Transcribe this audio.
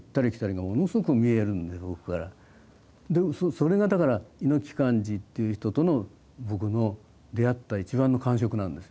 それがだから猪木寛至っていう人とのぼくの出会った一番の感触なんですよ。